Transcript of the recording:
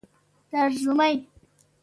ترژومۍ